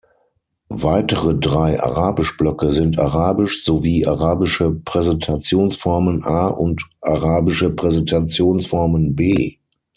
Weitere drei Arabisch-Blöcke sind Arabisch sowie Arabische Präsentationsformen-A und Arabische Präsentationsformen-B.